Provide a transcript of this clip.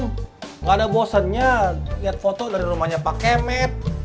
nggak ada bosennya lihat foto dari rumahnya pak kemet